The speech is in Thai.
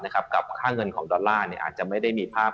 กับค่าเงินของดอลลาร์อาจจะไม่ได้มีภาพ